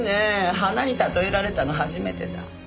花に例えられたの初めてだ。